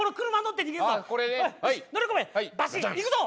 行くぞ！